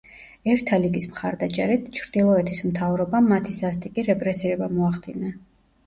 ერთა ლიგის მხარდაჭერით, ჩრდილოეთის მთავრობამ მათი სასტიკი რეპრესირება მოახდინა.